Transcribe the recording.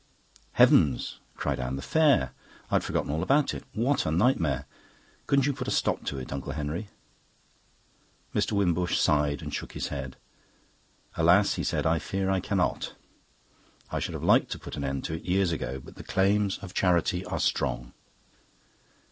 "Heavens!" cried Anne. "The Fair I had forgotten all about it. What a nightmare! Couldn't you put a stop to it, Uncle Henry?" Mr. Wimbush sighed and shook his head. "Alas," he said, "I fear I cannot. I should have liked to put an end to it years ago; but the claims of Charity are strong."